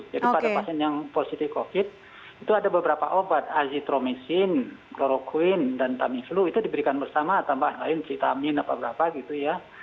jadi pada pasien yang positif covid itu ada beberapa obat azitromisin kloroquine dan tamiflu itu diberikan bersama tambah lain citamin apa berapa gitu ya